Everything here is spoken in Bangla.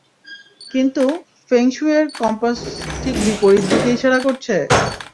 কিন্তু, ফেং শুইয়ের কম্পাস ঠিক বিপরীত দিকে ইশারা করছে!